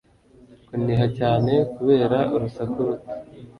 Kuniha cyane kubera urusaku ruto